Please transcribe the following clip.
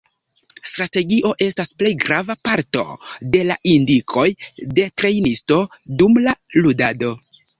Strategio estas plej grava parto de la indikoj de trejnisto, dum la ludado.